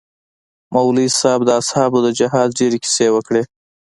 مولوي صاحب د اصحابو د جهاد ډېرې كيسې وكړې.